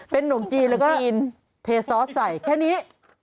เป็นนมจีนแล้วก็เทซอสใส่แค่นี้